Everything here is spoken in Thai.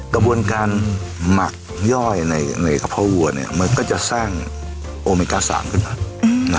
กระบวนการหมักย่อยในกระเพาะวัวมันก็จะสร้างโอเมกา๓ขึ้นมา